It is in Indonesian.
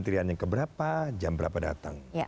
berikannya ke berapa jam berapa datang